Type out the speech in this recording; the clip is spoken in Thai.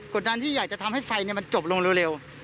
ดันที่อยากจะทำให้ไฟมันจบลงเร็ว